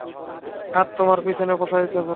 হাত তোমার পিছনে প্রসারিত করো।